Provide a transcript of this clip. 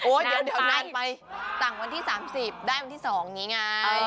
โอ้โหเดี๋ยวเดี๋ยวนานไปสั่งวันที่สามสิบได้วันที่สองอย่างงี้ไง